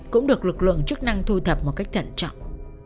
cũng được lực lượng chức năng thu thập một cách thận trọng